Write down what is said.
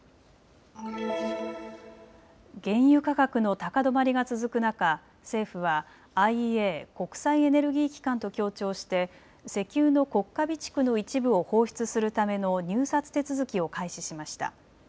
原油価格の高止まりが続く中、政府はＩＥＡ・国際エネルギー機関と協調して石油の国家備蓄の一部を放出するための入札手続きを開始しました。